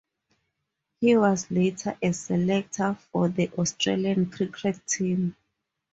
He was later a selector for the Australian cricket team.